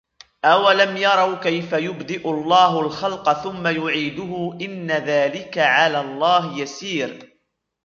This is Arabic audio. أَوَلَمْ يَرَوْا كَيْفَ يُبْدِئُ اللَّهُ الْخَلْقَ ثُمَّ يُعِيدُهُ إِنَّ ذَلِكَ عَلَى اللَّهِ يَسِيرٌ